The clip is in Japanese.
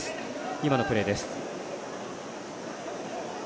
今のプレーです。